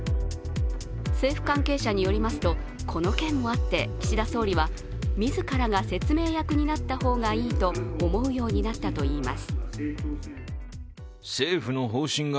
政府関係者によりますとこの件もあって岸田総理は自らが説明役となった方がいいと思うようになったといいます。